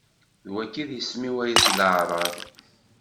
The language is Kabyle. D wagi i d isem-iw ay at leɛraḍ.